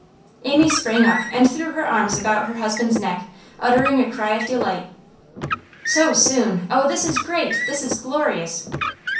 Amy sprang up and threw her arms about her husband's neck, uttering a cry of delight. 'So soon! Oh, this is great! this is glorious!